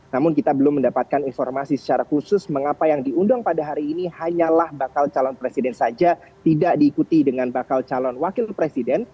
namun kita belum mendapatkan informasi secara khusus mengapa yang diundang pada hari ini hanyalah bakal calon presiden saja tidak diikuti dengan bakal calon wakil presiden